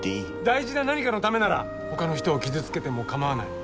大事な何かのためならほかの人を傷つけてもかまわない。